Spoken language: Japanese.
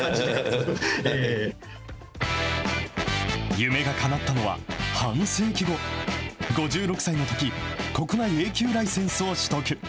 夢がかなったのは、半世紀後、５６歳のとき、国内Ａ級ライセンスを取得。